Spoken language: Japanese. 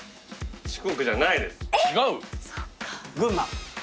群馬。